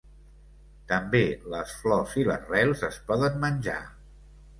També les flors i les rels es poden menjar.